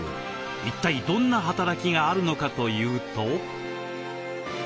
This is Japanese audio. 一体どんな働きがあるのかというと。